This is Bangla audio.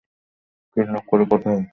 কিডন্যাপ করে কোথায় নিয়ে যাবে?